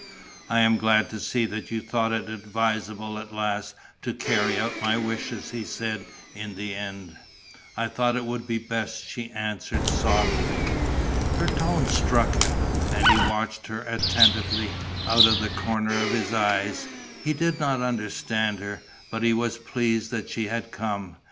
"I am glad to see that you thought it advisable at last to carry out my wishes," he said, in the end. "I thought it would be best," she answered, softly. Her tone struck him; and he watched her attentively, out of the corner of his eyes. He did not understand her, but he was pleased that she had come.